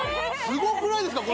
すごくないですか？